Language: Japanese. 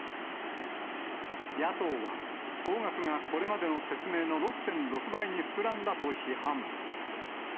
野党は、総額がこれまでの説明の６．６倍に膨らんだと批判。